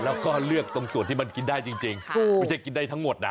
แล้วก็เลือกตรงส่วนที่มันกินได้จริงไม่ใช่กินได้ทั้งหมดนะ